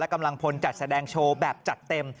กำลังพลจัดแสดงโชว์แบบจัดเต็ม